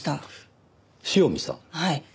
はい。